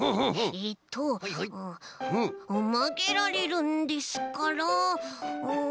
えっとまげられるんですからん。